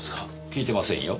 聞いてませんよ。